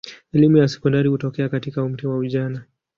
Elimu ya sekondari hutokea katika umri wa ujana.